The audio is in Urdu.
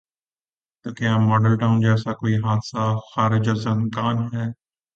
تو کیا ماڈل ٹاؤن جیسا کوئی حادثہ خارج از امکان ہے؟